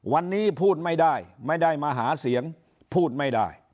วันนี้พูดไม่ได้ไม่ได้มาหาเสียงพูดไม่ได้